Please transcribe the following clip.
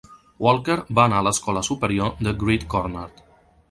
Walker va anar a l'escola superior de Great Cornard.